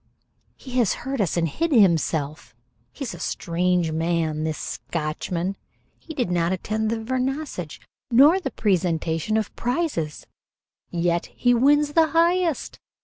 "He has heard us and hid himself. He is a strange man, this Scotchman. He did not attend the 'Vernissage,' nor the presentation of prizes, yet he wins the highest."